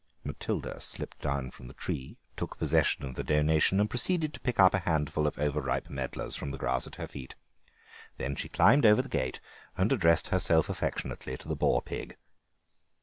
Matilda slipped down from the tree, took possession of the donation, and proceeded to pick up a handful of over ripe medlars from the grass at her feet. Then she climbed over the gate and addressed herself affectionately to the boar pig.